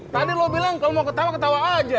tadi lo bilang kamu mau ketawa ketawa aja